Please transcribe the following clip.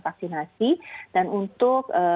vaksinasi dan untuk